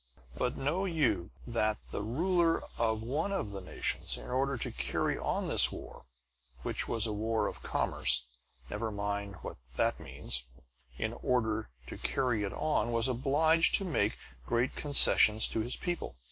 "But know you that the ruler of one of the nations, in order to carry on this war which was a war of commerce (never mind what that means) in order to carry it on was obliged to make great concessions to his people.